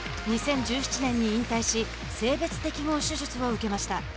２０１７年に引退し性別適合手術を受けました。